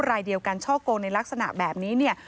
รายเดียวกันช่อกงในลักษณะแบบนี้เนี่ย